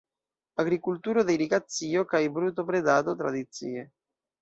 Agrikulturo de irigacio kaj brutobredado tradicie.